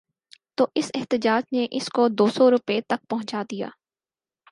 تو اس احتجاج نے اس کو دوسو روپے تک پہنچا دیا ہے۔